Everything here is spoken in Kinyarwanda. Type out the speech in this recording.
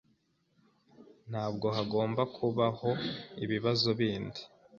Ntabwo hagomba kubaho ibibazo bindi.